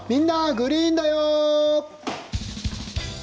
グリーンだよ」。